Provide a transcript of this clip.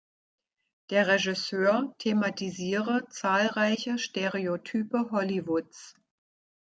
Der Regisseur thematisiere zahlreiche Stereotype Hollywoods.